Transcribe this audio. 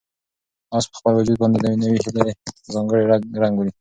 آس په خپل وجود باندې د نوې هیلې ځانګړی رنګ ولید.